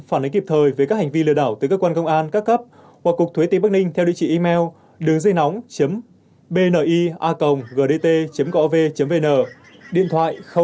phản ánh kịp thời về các hành vi lừa đảo từ cơ quan công an các cấp hoặc cục thuế tỉnh bắc ninh